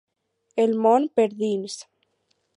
El món per dins.